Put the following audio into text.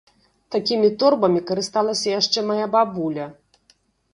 Такімі торбамі карысталася яшчэ мая бабуля!